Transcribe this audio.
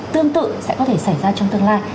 tương tự sẽ có thể xảy ra trong tương lai